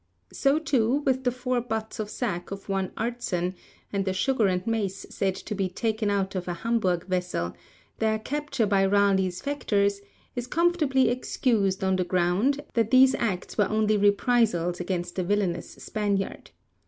So, too, with the four butts of sack of one Artson, and the sugar and mace said to be taken out of a Hamburg vessel, their capture by Raleigh's factors is comfortably excused on the ground that these acts were only reprisals against the villainous Spaniard.